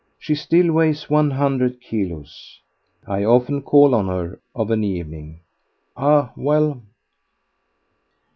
She still weighs one hundred kilos. I often call on her of an evening. Ah, well!